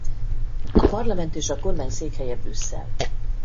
A parlament és a kormány székhelye Brüsszel.